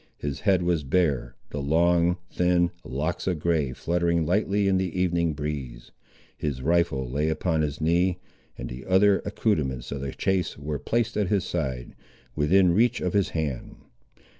His head was bare, the long, thin, locks of grey fluttering lightly in the evening breeze. His rifle lay upon his knee, and the other accoutrements of the chase were placed at his side, within reach of his hand.